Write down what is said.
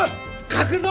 書くぞ！